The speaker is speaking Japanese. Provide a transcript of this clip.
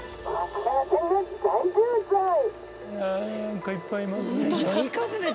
何かいっぱいいますね。